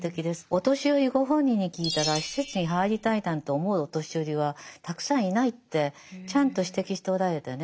お年寄りご本人に聞いたら施設に入りたいなんて思うお年寄りはたくさんいないってちゃんと指摘しておられてね。